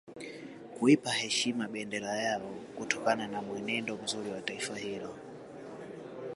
Kuipa heshima bendera yao kutokana na mwenendo mzuri wa taifa hilo